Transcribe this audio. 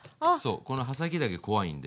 この刃先だけ怖いんで。